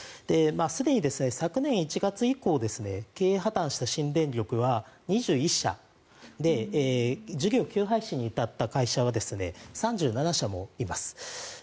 すでに昨年１月以降経営破たんした新電力は２１社事業廃止に至った会社は３７社もいます。